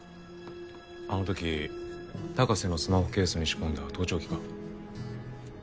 あの時高瀬のスマホケースに仕込んだ盗聴器か。